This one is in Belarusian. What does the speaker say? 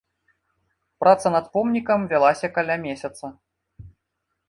Праца над помнікам вялася каля месяца.